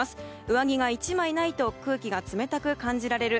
上着が１枚ないと空気が冷たく感じられる。